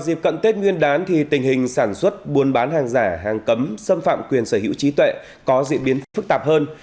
trong dịp cận tết nguyên đán thì tình hình sản xuất buôn bán hàng giả hàng cấm xâm phạm quyền sở hữu trí tuệ có diễn biến phức tạp hơn